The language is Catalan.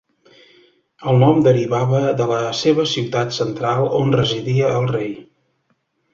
El nom derivava de la seva ciutat central on residia el rei.